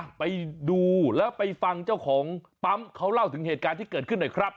ไปดูแล้วไปฟังเจ้าของปั๊มเขาเล่าถึงเหตุการณ์ที่เกิดขึ้นหน่อยครับ